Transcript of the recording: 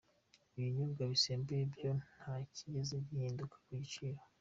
Ibinyobwa bisembuye byo nta kigeze gihinduka ku biciro.